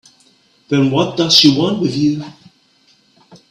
Then what does she want with you?